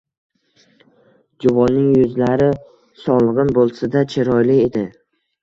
Juvonning yuzlari so`lg`in bo`lsa-da, chiroyli edi